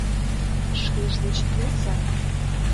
Шкеж деч йодса.